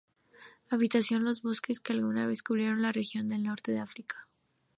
Habitaban los bosques que alguna vez cubrieron la región del norte de África.